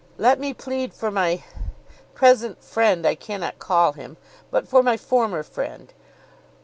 Let me plead for my—present friend I cannot call him, but for my former friend.